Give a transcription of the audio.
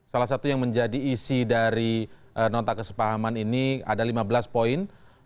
salah satu yang menjadi isi dari nota kesepahaman ini ada lima belas poin